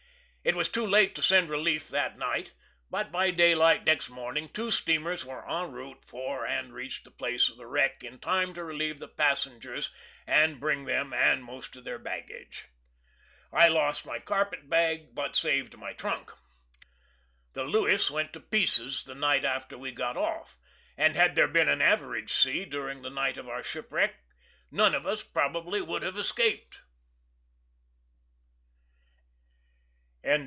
It was too late to send relief that night, but by daylight next morning two steamers were en route for and reached the place of wreck in time to relieve the passengers and bring them, and most of the baggage. I lost my carpet bag, but saved my trunk. The Lewis went to pieces the night after we got off, and, had there been an average sea during the night of our shipwreck, none of us probably would have escaped.